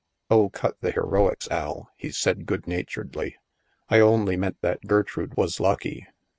" Oh, cut the heroics, Al," he said good naturedly, "I only meant that Gertrude was lucky.